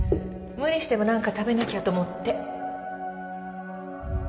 無理してもなんか食べなきゃと思って。